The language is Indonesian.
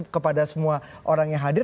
kepada semua orang yang hadir